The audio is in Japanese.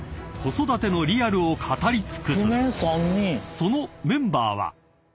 ［そのメンバーは］